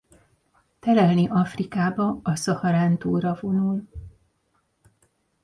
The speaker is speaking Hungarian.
Telelni Afrikába a Szaharán túlra vonul.